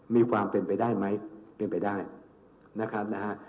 มีความเป็นไปได้ไหม